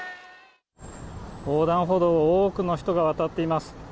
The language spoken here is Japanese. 横断歩道を多くの人が渡っています。